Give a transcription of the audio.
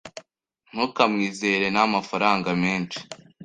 Ntukamwizere namafaranga menshi.